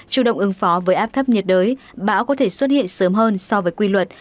chủ động ứng phó với áp thấp nhiệt đới bão có thể xuất hiện sớm hơn so với quy luật